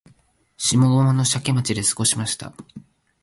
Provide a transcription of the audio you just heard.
下鴨の社家町で過ごしました